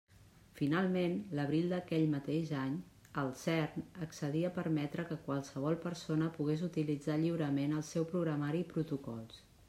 Finalment, l'abril d'aquell mateix any, el CERN accedí a permetre que qualsevol persona pogués utilitzar lliurement el seu programari i protocols.